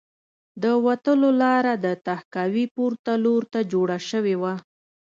د وتلو لاره د تهکوي پورته لور ته جوړه شوې وه